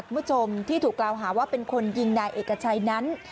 คุณผู้ชมที่ถูกกล่าวหาว่าเป็นคนยิงนายเอกชัยนั้น